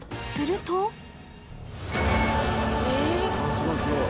すごいすごい。